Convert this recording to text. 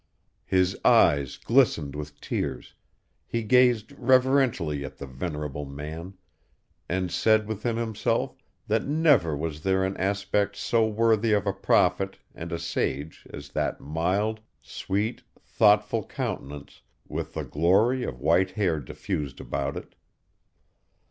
His eyes glistening with tears, he gazed reverentially at the venerable man, and said within himself that never was there an aspect so worthy of a prophet and a sage as that mild, sweet, thoughtful countenance, with the glory of white hair diffused about it.